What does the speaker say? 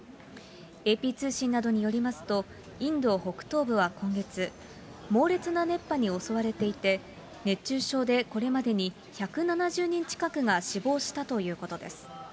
ＡＰ通信などによりますと、インド北東部は今月、猛烈な熱波に襲われていて、熱中症でこれまでに１７０人近くが死亡したということです。